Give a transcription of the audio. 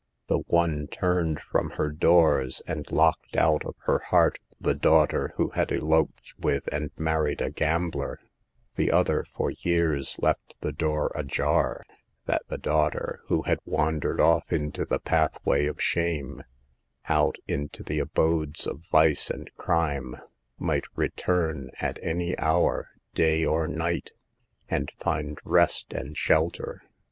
The one turned from her doors and locked out of her heart the daughter who had eloped with and married a gambler ; the other for years left the door ajar, that the daughter who had wandered off into the pathway of shame, out into the abodes of vice and crime, might return at any hour, day or night, and find rest and shelter.